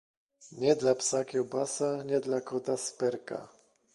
Nie dla psa kiełbasa, nie dla kota sperka.